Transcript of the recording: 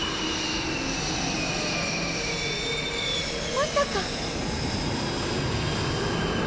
まさか。